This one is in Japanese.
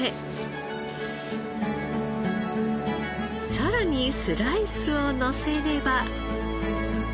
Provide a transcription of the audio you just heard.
さらにスライスをのせれば。